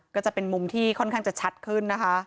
ก็จะเป็นมุมที่ค่อนข้างจะชัดขึ้นนะคะ